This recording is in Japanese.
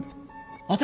私！？